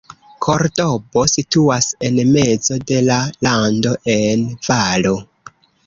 Kordobo situas en mezo de la lando en valo.